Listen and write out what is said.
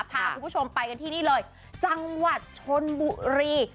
พาคุณผู้ชมไปกันที่นี่เลยจังหวัดชนบุรี